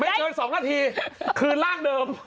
ไม่เจอ๒นาทีคืนร่างเดิม